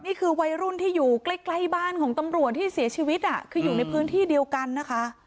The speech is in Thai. นี่คือวัยรุ่นที่อยู่ใกล้ใกล้บ้านของตำรวจที่เสียชีวิตคืออยู่ในพื้นที่เดียวกันนะคะ